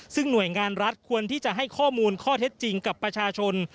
ซึ่งหน่วยงานรัฐควรที่จะให้ข้อมูลข้อเท็จจริงกับประชาชน